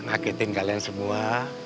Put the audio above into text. ngakitin kalian semua